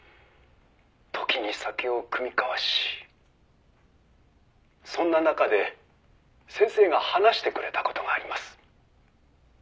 「時に酒を酌み交わしそんな中で先生が話してくれた事があります」